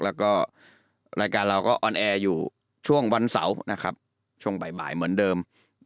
แล้วก็รายการเราก็ออนแอร์อยู่ช่วงวันเสาร์นะครับช่วงบ่ายเหมือนเดิม